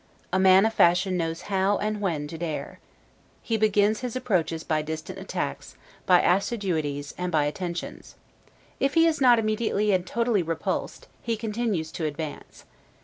A man of fashion knows how, and when, to dare. He begins his approaches by distant attacks, by assiduities, and by attentions. If he is not immediately and totally repulsed, he continues to advance.